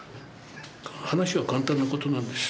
話は簡単な事なんです。